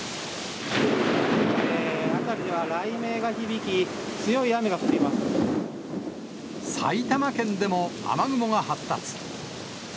辺りでは雷鳴が響き、強い雨埼玉県でも雨雲が発達。